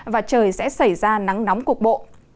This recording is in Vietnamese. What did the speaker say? và trời sẽ xảy ra nắng nóng cục bộ